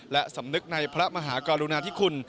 และสำนึกในพระมหากรุณาธิคุณ